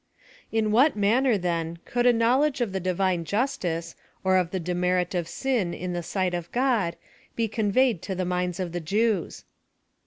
In what manner, then, cou^d a knowledge of the Divine Justice, or of the demerit of sin in the sight of God, he conveyed to the minds of the Jews